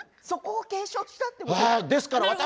そこを継承したんですか？